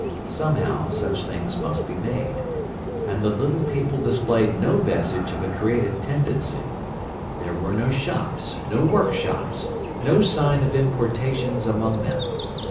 Somehow such things must be made. And the little people displayed no vestige of a creative tendency. There were no shops, no workshops, no sign of importations among them.